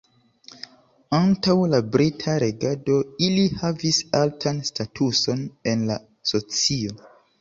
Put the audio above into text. Antaŭ la brita regado, ili havis altan statuson en la socio.